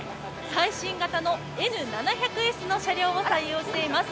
最新型のＮ７００Ｓの車両を採用しています。